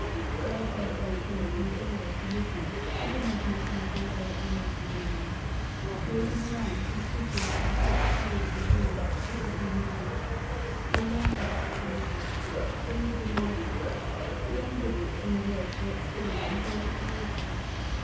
Sarah Purfoy paused in the doorway to listen, but she could make nothing of the low, uneasy murmuring. Raising her arm, conspicuous by its white sleeve in the gloom, she beckoned Miles. "The lantern," she whispered, "bring me the lantern!" He unhooked it from the rope where it swung, and brought it towards her.